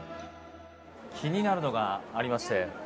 気になるのがありまして。